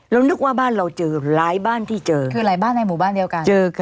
นึกว่าบ้านเราเจอหลายบ้านที่เจอคือหลายบ้านในหมู่บ้านเดียวกันเจอกัน